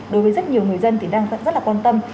đối với rất nhiều người dân thì đang rất là quan tâm